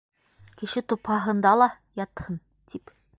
Кеше тупһаһында ла ятһын, тип.